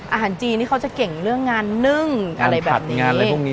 อาหารจีนนี่เขาจะเก่งเรื่องงานนึ่งอะไรแบบนี้